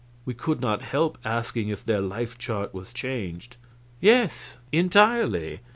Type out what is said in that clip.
We could not help asking if their life chart was changed. "Yes, entirely.